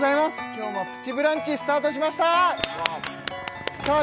今日も「プチブランチ」スタートしましたさあ